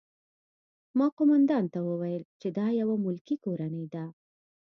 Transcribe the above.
ما قومندان ته وویل چې دا یوه ملکي کورنۍ ده